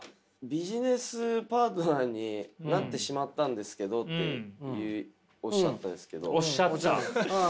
「ビジネスパートナーになってしまったんですけど」っていうおっしゃったんですけど。